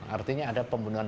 artinya ada pembunuhan